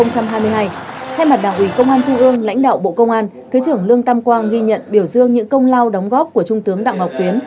thay mặt đảng ủy công an trung ương lãnh đạo bộ công an thứ trưởng lương tam quang ghi nhận biểu dương những công lao đóng góp của trung tướng đặng ngọc tuyến